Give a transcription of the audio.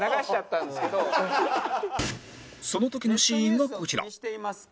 その時のシーンがこちら